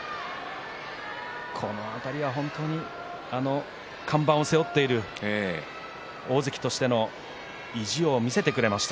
この辺り本当に看板を背負っている大関としての意地を見せてくれました。